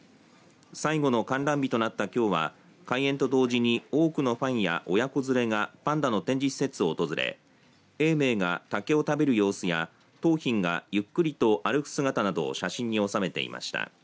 最後の観覧日となったきょうは開園と同時に多くのファンや親子連れがパンダの展示施設を訪れ永明が竹を食べる様子や桃浜がゆっくりと歩く姿などを写真に収めていました。